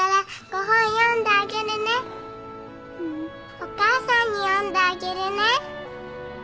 お母さんに読んであげるね。